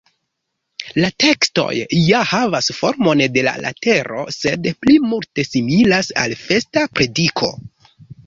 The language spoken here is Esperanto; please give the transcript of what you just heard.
La teksto ja havas formon de letero, sed pli multe similas al festa prediko.